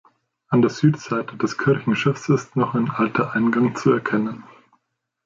An der Südseite des Kirchenschiffs ist noch ein alter Eingang zu erkennen.